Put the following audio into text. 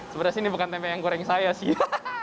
sebenarnya sih ini bukan tempe yang goreng saya sih